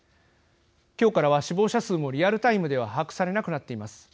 今日からは死亡者数もリアルタイムでは把握されなくなっています。